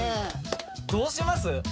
どうします？